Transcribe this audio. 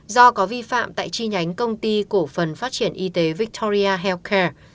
do có vi phạm tại chi nhánh công ty cổ phần phát triển y tế victoria healthcare